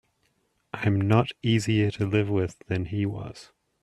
I'm not easier to live with than he was.